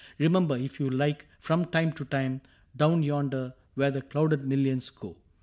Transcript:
Remember, if you like, from time to time, Down yonder where the clouded millions go.